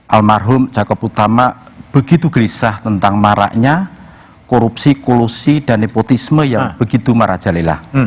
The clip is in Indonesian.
almarhum jacob utama begitu gelisah tentang maraknya korupsi kolusi dan nepotisme yang begitu marah jalilah